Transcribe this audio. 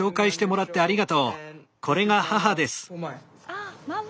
あっママ。